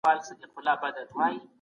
د مسؤلیت بار ډېر دروند دی.